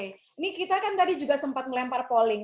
ini kita kan tadi juga sempat melempar polling